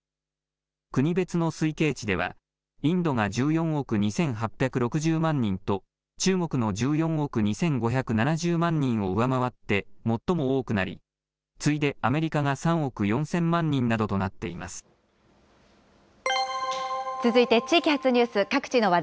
国別の推計値では、インドが１４億２８６０万人と中国の１４億２５７０万人を上回って最も多くなり、次いでアメリカが３億４０００万人などとなって続いて、地域発ニュース。